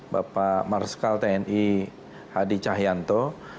bapak marsikal tni hadi cayanto